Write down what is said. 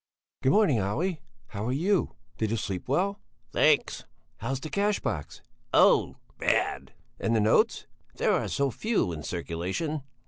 "Good morning, Olle! How are you? Did you sleep well?" "Thanks." "How's the cash box?" "Oh! Bad!" "And the notes?" "There are so few in circulation."